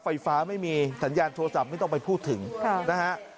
ไฟฟ้าไม่มีสัญญาณโทรศัพท์ไม่ต้องไปพูดถึงนะฮะ